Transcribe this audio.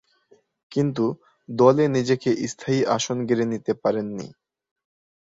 কিন্তু, দলে নিজেকে স্থায়ী আসন গেড়ে নিতে পারেননি।